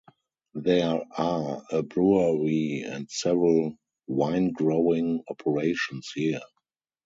There are a brewery and several winegrowing operations here.